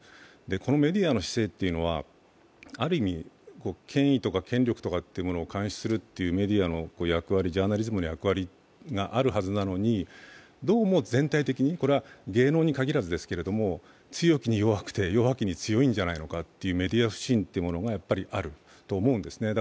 このメディアの姿勢というのは、ある意味、権威とか権力を監視するメディア、ジャーナリズムの役割があるのにどうも全体的に、これは芸能に限らずですが、強きに弱くて、弱きに強いんじゃないかというメディア不信があると思うんですね。